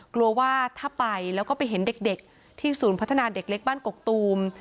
กลัวว่าถ้าไปแล้วก็ไปเห็นเด็กที่ศูนย์พัฒนาเด็กเล็กบ้านกกตูม